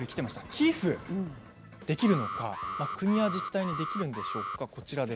寄付できるのか国や自治体にできるんでしょうか。